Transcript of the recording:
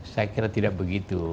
saya kira tidak begitu